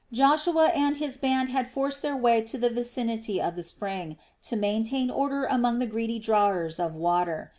Joshua and his band had forced their way to the vicinity of the spring, to maintain order among the greedy drawers of water.